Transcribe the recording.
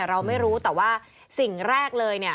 เราไม่รู้แต่ว่าสิ่งแรกเลยเนี่ย